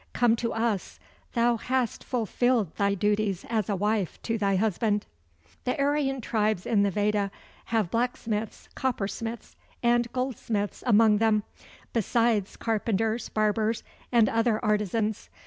Come to us, Thou hast fulfilled thy duties as a wife to thy husband." The Aryan tribes in the Veda have blacksmiths, coppersmiths, and goldsmiths among them, besides carpenters, barbers, and other artisans.